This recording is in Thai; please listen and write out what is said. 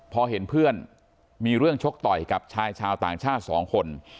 พอเห็นเพื่อนมีเรื่องชกต่อยกับชายชาวต่างชาติสองคน